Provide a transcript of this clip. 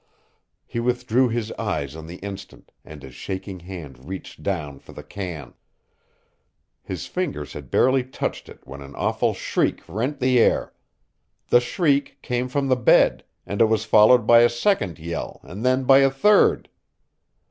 He withdrew his eyes on the instant and his shaking hand reached down for the can. His fingers had barely touched it when an awful shriek rent the air. The shriek came from the bed, and it was followed by a second yell and then by a third.